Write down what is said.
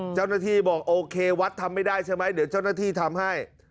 เจ้าหน้าที่บอกโอเควัดทำไม่ได้ใช่ไหมเดี๋ยวเจ้าหน้าที่ทำให้